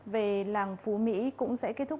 về làng phú mỹ cũng sẽ kết thúc